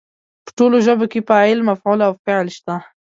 په ټولو ژبو کې فاعل، مفعول او فعل شته.